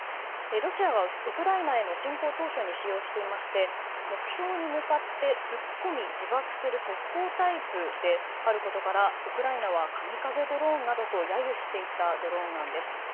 ロシアは、ウクライナへの侵攻当初に使用していまして目標に向かって突っ込み自爆する特攻タイプであることからウクライナはカミカゼドローンなどと揶揄していたドローンなんです。